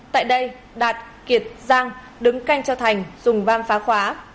tại đây đạt kiệt giang đứng canh cho thành dùng vam phá khóa